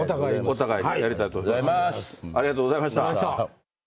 お互いに、ありがとうございました。